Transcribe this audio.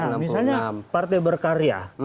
nah misalnya partai berkarya